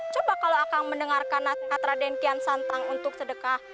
coba kalau akan mendengarkan nasihat raden kian santang untuk sedekah